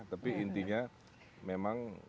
tapi intinya memang